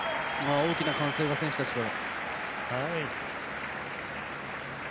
大きな歓声が選手たちから。